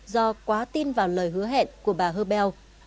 do quá tin vào lời hứa hẹn của bà herbel